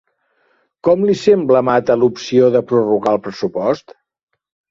Com li sembla a Mata l'opció de prorrogar el pressupost?